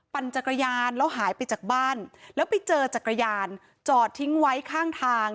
ปั่นจักรยานแล้วหายไปจากบ้านแล้วไปเจอจักรยานจอดทิ้งไว้ข้างทาง